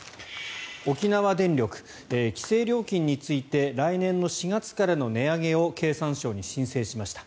沖縄電力規制料金について来年４月からの値上げを経産省に申請しました。